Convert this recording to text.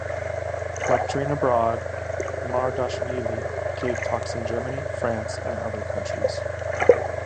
Lecturing abroad, Mamardashvili gave talks in Germany, France, and other countries.